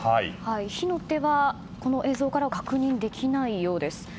火の手は、この映像からは確認できないようです。